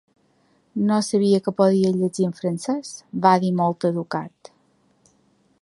"No sabia que podies llegir en francès", va dir molt educat.